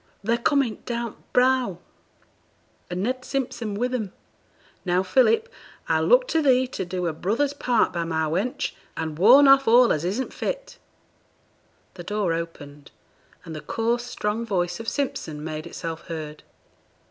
They're coming down th' brow, and Ned Simpson wi' them. Now, Philip, I look to thee to do a brother's part by my wench, and warn off all as isn't fit.' The door opened, and the coarse strong voice of Simpson made itself heard.